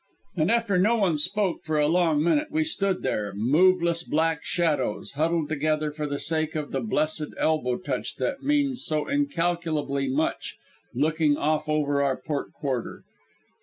And after that no one spoke for a long minute, and we stood there, moveless black shadows, huddled together for the sake of the blessed elbow touch that means so incalculably much, looking off over our port quarter.